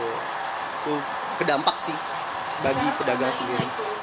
itu kedampak sih bagi pedagang sendiri